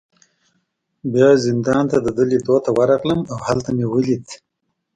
بیا زندان ته د ده لیدو ته ورغلم، او هلته مې ولید.